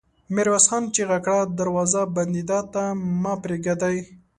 ميرويس خان چيغه کړه! دروازه بندېدا ته مه پرېږدئ!